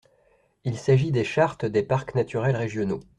Il s’agit des chartes des parcs naturels régionaux.